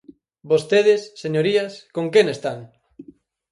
Vostedes, señorías, ¿con quen están?